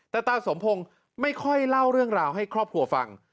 แต่ตาสมพงศ์ไม่ค่อยเล่าเรื่องราวให้ครอบครัวฟัง